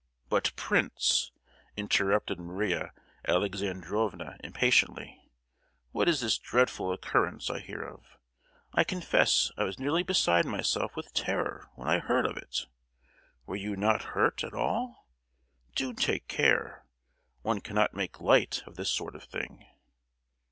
"But, prince," interrupted Maria Alexandrovna, impatiently, "what is this dreadful occurrence I hear of? I confess I was nearly beside myself with terror when I heard of it. Were you not hurt at all? Do take care. One cannot make light of this sort of thing."